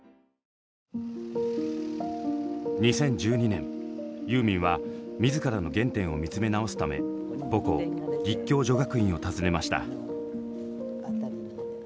２０１２年ユーミンは自らの原点を見つめ直すため母校立教女学院を訪ねました。